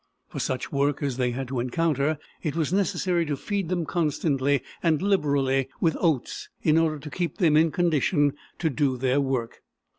For such work as they had to encounter it was necessary to feed them constantly and liberally with oats in order to keep them in condition to do their work.